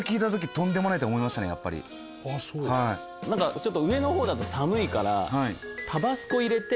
ちょっと上の方だと寒いから。